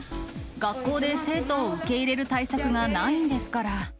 学校で生徒を受け入れる対策がないんですから。